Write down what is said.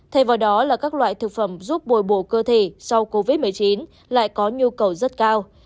thay vào đó là các loại thực phẩm giúp bồi bổ cơ thể sau covid một mươi chín lại có nhu cầu rất cao